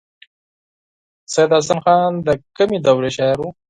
سید حسن خان د کومې دورې شاعر و.